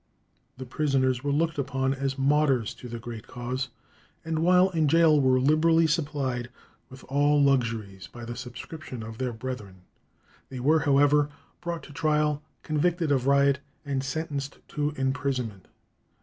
These prisoners were looked upon as martyrs to the great cause, and while in gaol were liberally supplied with all luxuries by the subscription of their brethren. They were, however, brought to trial, convicted of riot, and sentenced to imprisonment.